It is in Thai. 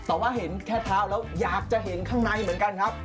แต่ว่าเห็นแค่เท้าแล้วอยากจะเห็นข้างในเหมือนกันครับ